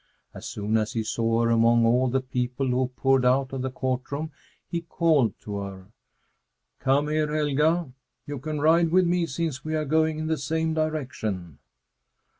As soon as he saw her among all the people who poured out of the court room, he called to her: "Come here, Helga! You can ride with me since we are going in the same direction."